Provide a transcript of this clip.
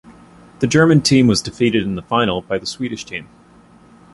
The German team was defeated in the final by the Swedish team.